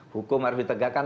hukum harus ditegakkan